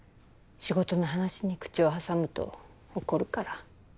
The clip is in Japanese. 仕事の話に口を挟むと怒るから。